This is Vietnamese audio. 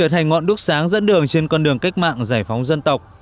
hành ngọn đúc sáng dẫn đường trên con đường cách mạng giải phóng dân tộc